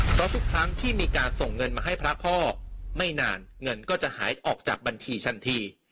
เพราะทุกครั้งที่มีการส่งเงินมาให้พระพ่อไม่นานเงินก็จะหายออกจากบัญชีทันที